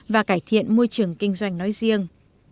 và cải thiện môi trường kinh doanh nói riêng